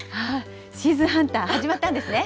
シーズンハンター、始まったんですね。